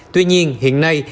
tuy nhiên hiện nay